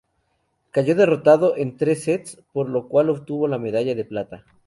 Cayó derrotado en tres sets por lo cual obtuvo la medalla de plata.